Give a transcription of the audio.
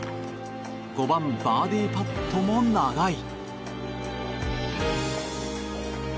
５番、バーディーパットも長い。